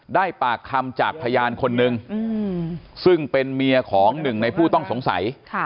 ปากคำจากพยานคนนึงซึ่งเป็นเมียของหนึ่งในผู้ต้องสงสัย